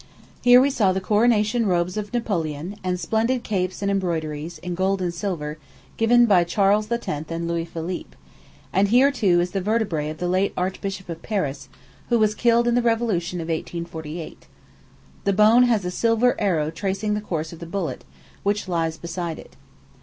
Here we saw the coronation robes of Napoleon, and splendid capes and embroideries, in gold and silver, given by Charles X. and Louis Philippe; and here, too, is the vertebræ of the late Archbishop of Paris, who was killed in the revolution of 1848. The bone has a silver arrow tracing the course of the bullet, which lies beside it.